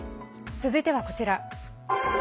続いてはこちら。